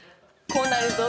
「こうなるぞ！」